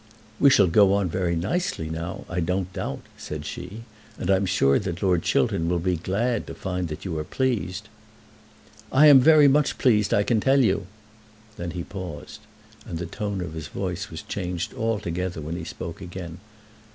"We shall go on very nicely now, I don't doubt," said she; "and I'm sure that Lord Chiltern will be glad to find that you are pleased." "I am very much pleased, I can tell you." Then he paused, and the tone of his voice was changed altogether when he spoke again.